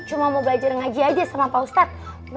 cuma mau belajar ngaji aja sama pak ustadz